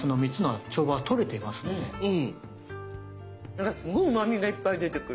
なんかすごいうまみがいっぱい出てくる。